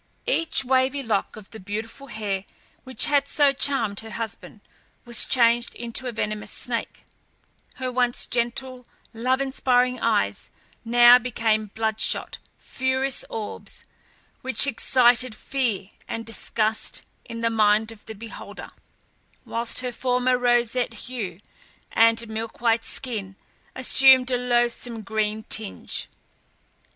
Each wavy lock of the beautiful hair which had so charmed her husband, was changed into a venomous snake; her once gentle, love inspiring eyes now became blood shot, furious orbs, which excited fear and disgust in the mind of the beholder; whilst her former roseate hue and milk white skin assumed a loathsome greenish tinge.